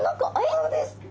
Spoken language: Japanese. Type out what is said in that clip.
そうです。